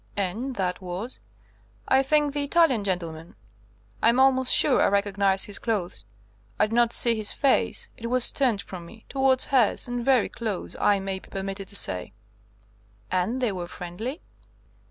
"And that was ?" "I think the Italian gentleman; I am almost sure I recognized his clothes. I did not see his face, it was turned from me towards hers, and very close, I may be permitted to say." "And they were friendly?"